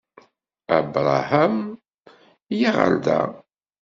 Abṛaham! Yya ɣer da!